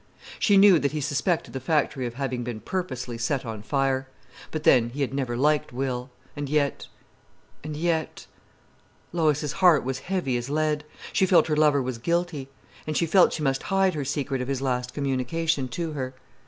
She knew that he suspected the factory of having been purposely set on fire. But then, he had never liked Will. And yet—and yet—Lois' heart was heavy as lead. She felt her lover was guilty. And she felt she must hide her secret of his last communication to her.